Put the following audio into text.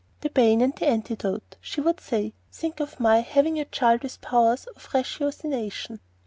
"The bane and the antidote," she would say. "Think of my having a child with powers of ratiocination!"